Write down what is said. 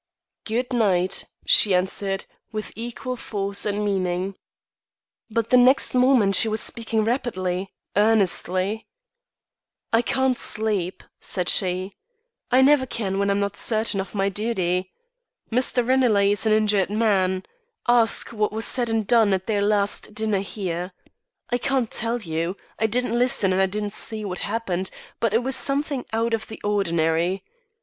"Good night," she answered, with equal force and meaning. But the next moment she was speaking rapidly, earnestly. "I can't sleep," said she. "I never can when I'm not certain of my duty. Mr. Ranelagh is an injured man. Ask what was said and done at their last dinner here. I can't tell you. I didn't listen and I didn't see what happened, but it was something out of the ordinary.